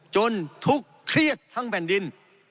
ทุกเครียดทั้งแผ่นดิน